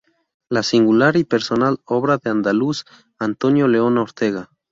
La singular y personal obra del andaluz Antonio León Ortega.